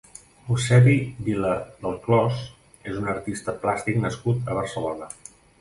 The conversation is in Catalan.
Eusebi Vila Delclòs és un artista plàstic nascut a Barcelona.